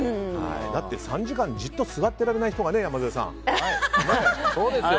だって、３時間じっと座れられない子がね山添さん、ね。